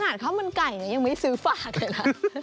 ขนาดข้าวบันไก่เนี่ยยังไม่ซื้อฝากเลยล่ะ